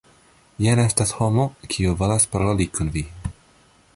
Jen estas homo, kiu volas paroli kun vi.